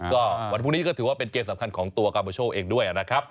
ก็วันพรุ่งนี้ก็ถือว่าเป็นเกมสำคัญของตัวกาโมโชคเองด้วยนะครับ